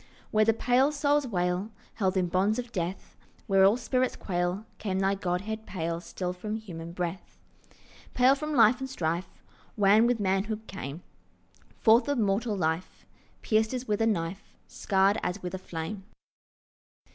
Where the pale souls wail, Held in bonds of death, Where all spirits quail, Came thy Godhead pale Still from human breath— Pale from life and strife, Wan with manhood, came Forth of mortal life, Pierced as with a knife, Scarred as with a flame.